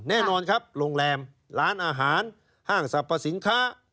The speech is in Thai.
แน่นอนครับโรงแรมร้านอาหารห้างสรรพสินค้า